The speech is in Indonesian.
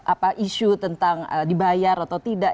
apa isu tentang dibayar atau tidak